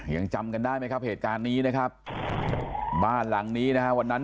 ยังจำกันได้ไหมครับเหตุการณ์นี้นะครับบ้านหลังนี้นะฮะวันนั้น